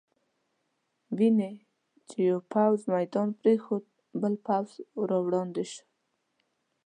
وینې چې یو پوځ میدان پرېښود، بل پوځ را وړاندې شو.